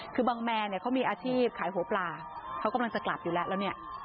คือบังแมเขามีอาชีพขายหัวปลาเขากำลังจะกลับอยู่แล้ว